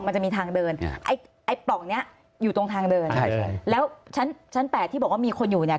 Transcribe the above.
มันจะมีทางเดินไอ้ไอ้ปล่องเนี้ยอยู่ตรงทางเดินใช่ใช่แล้วชั้นชั้นแปดที่บอกว่ามีคนอยู่เนี่ย